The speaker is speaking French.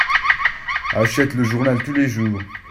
Achète le journal tous les jours.